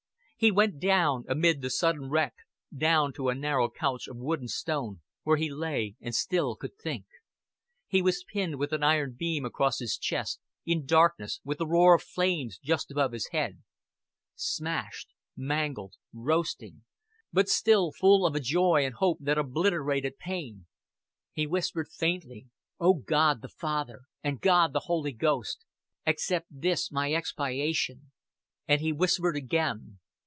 He went down amid the sudden wreck, down to a narrow couch of wood and stone, where he lay and still could think. He was pinned with an iron beam across his chest, in darkness, with the roar of the flames just above his head; smashed, mangled, roasting; but still full of a joy and hope that obliterated pain. He whispered faintly: "O God the Father and God the Holy Ghost, accept this my expiation." And he whispered again.